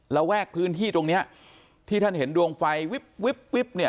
ระแวกพื้นที่ตรงเนี้ยที่ท่านเห็นดวงไฟวิบวิบวิบเนี่ย